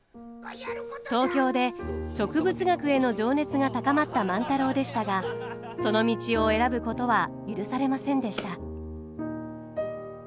東京で植物学への情熱が高まった万太郎でしたがその道を選ぶことは許されませんでした。